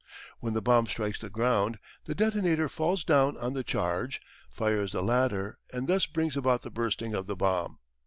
When the bomb strikes the ground the detonator falls down on the charge, fires the latter, and thus brings about the bursting of the bomb.